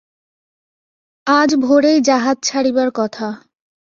আজ ভোরেই জাহাজ ছাড়িবার কথা।